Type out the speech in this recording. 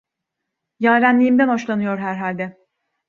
Yarenliğimden hoşlanıyor herhalde…